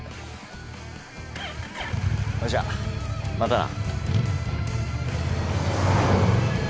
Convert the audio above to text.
ほいじゃまたな。